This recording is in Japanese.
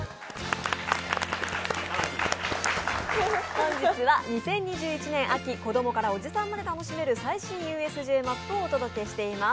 本日は２０２１年秋、子供からおじさんまで楽しめる最新ＵＳＪマップをお届けしています。